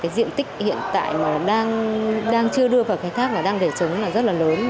diện tích hiện tại đang chưa đưa vào cái tháp và đang để trống rất là lớn